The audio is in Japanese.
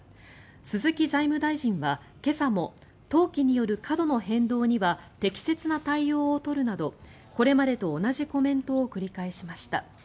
鈴木財務大臣は今朝も投機による過度の変動には適切な対応を取るなどこれまでと同じコメントを繰り返しました。